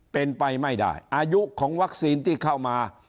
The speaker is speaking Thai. เป็นไปไม่ได้อายุของวัคซีนที่เข้ามา